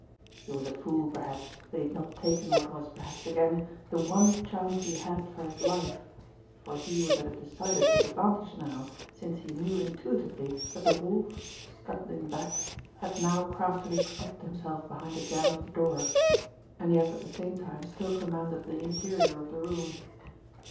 He was a fool, perhaps, that he had not taken what was, perhaps again, the one chance he had for his life, for he was at a decided disadvantage now, since he knew intuitively that the Wolf, scuttling back, had now craftily protected himself behind the jamb of the door, and yet at the same time still commanded the interior of the room.